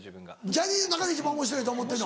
ジャニーズの中で一番おもしろいと思ってるの？